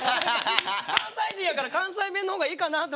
関西人やから関西弁の方がいいかなと思ってその時は。